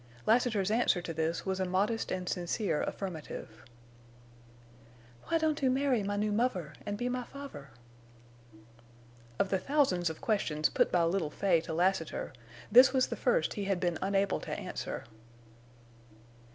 Lassiter's answer to this was a modest and sincere affirmative. "Why don't oo marry my new muvver an' be my favver?" Of the thousands of questions put by little Fay to Lassiter this was the first he had been unable to answer.